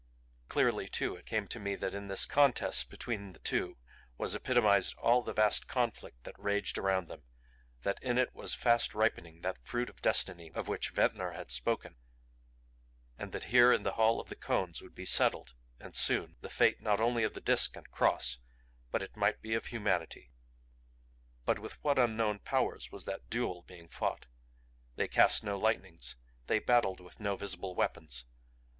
Clearly too it came to me that in this contest between the two was epitomized all the vast conflict that raged around them; that in it was fast ripening that fruit of destiny of which Ventnor had spoken, and that here in the Hall of the Cones would be settled and soon the fate not only of Disk and Cross, but it might be of humanity. But with what unknown powers was that duel being fought? They cast no lightnings, they battled with no visible weapons.